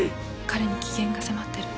彼に危険が迫ってる。